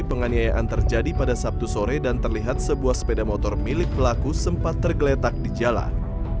penganiayaan terjadi pada sabtu sore dan terlihat sebuah sepeda motor milik pelaku sempat tergeletak di jalan